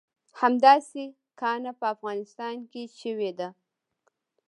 همداسې کانه په افغانستان کې شوې ده.